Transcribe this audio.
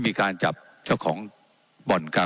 ว่าการกระทรวงบาทไทยนะครับ